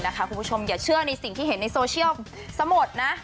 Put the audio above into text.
คุณผู้ชมอย่าเชื่อในสิ่งที่เห็นในโซเชียลซะหมดนะ